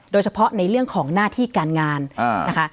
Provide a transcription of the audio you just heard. โดยเฉพาะในเรื่องของหน้าที่การงานนะคะ